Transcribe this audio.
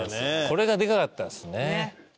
これがでかかったですね。